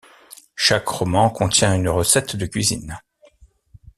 Chaque roman contient une recette de cuisine.